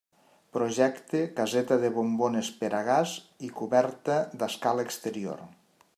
Projecte caseta de bombones per a gas i coberta d'escala exterior.